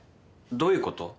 どういうこと？